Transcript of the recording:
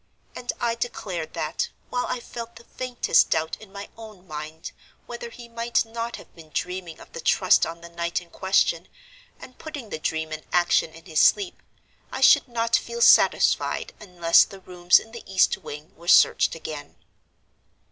And I declared that, while I felt the faintest doubt in my own mind whether he might not have been dreaming of the Trust on the night in question, and putting the dream in action in his sleep, I should not feel satisfied unless the rooms in the east wing were searched again.